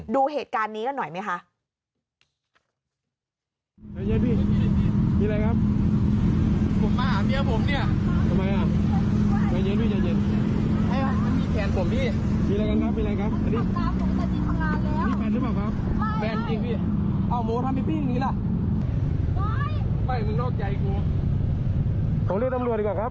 ดูเหตุการณ์นี้กันหน่อยไหมคะ